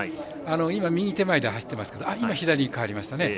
今、右手前で走ってましたが左に変わりましたね。